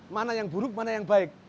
mana yang buruk mana yang baik